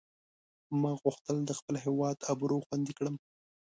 ما غوښتل د خپل هیواد آبرو خوندي کړم.